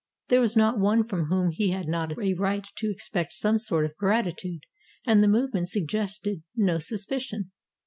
There was not one from whom he had not a right to expect some sort of gratitude, and the move ment suggested no suspicion.